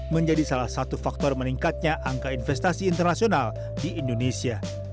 menjadi salah satu faktor meningkatnya angka investasi internasional di indonesia